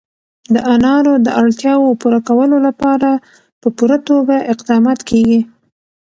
د انارو د اړتیاوو پوره کولو لپاره په پوره توګه اقدامات کېږي.